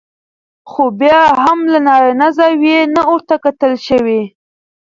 خو بيا هم له نارينه زاويې نه ورته کتل شوي